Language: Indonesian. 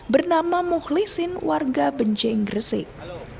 bernama mukhlisin warga benceng resik